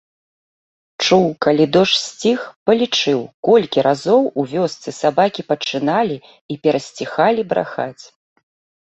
Чуў, калі дождж сціх, палічыў, колькі разоў у вёсцы сабакі пачыналі і перасціхалі брахаць.